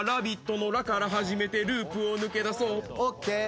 のらから始めてループを抜けだそう。